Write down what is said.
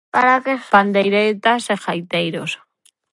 Pandeiretas e ghaiteiros.